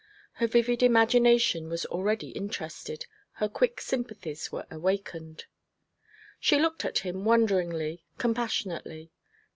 Her vivid imagination was already interested, her quick sympathies were awakened. She looked at him wonderingly, compassionately.